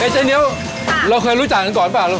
เจ๊เหนียวเราเคยรู้จักกันก่อนเปล่า